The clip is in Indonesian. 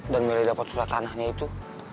dan meli dapet surat tanahnya itu